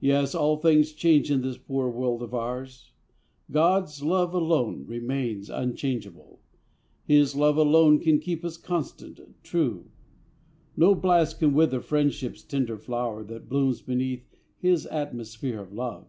Yes, all things change in this poor world of ours God's love alone remains unchangeable. His love alone can keep us constant, true. No blast can wither friendship's tender flower That blooms beneath His atmosphere of love.